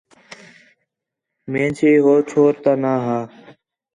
مینسی ہو چھور تا ناں ہا